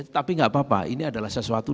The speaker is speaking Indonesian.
tapi nggak apa apa ini adalah sesuatu